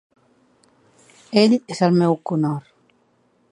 Ell és el meu conhort.